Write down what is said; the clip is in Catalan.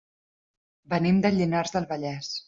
Venim de Llinars del Vallès.